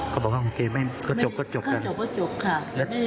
เค้าบอกว่าโอเคไหมเค้าจบก็จบกันเค้าจบก็จบค่ะ